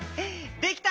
できた！